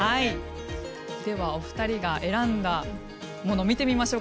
ではお二人が選んだものを見てみましょう。